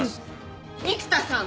育田さん！